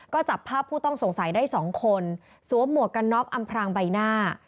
ก็จับภาพผู้ต้องสงสัยได้๒คนสวมหมวกกันน็อกอำพรางใบหน้า